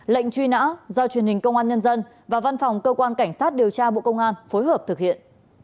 lệnh truy nã do truyền hình công an nhân dân và văn phòng cơ quan cảnh sát điều tra bộ công an phối hợp thực hiện